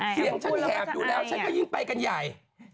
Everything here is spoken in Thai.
เสียงฉันแหบอยู่แล้วฉันก็ยิ่งไปกันใหญ่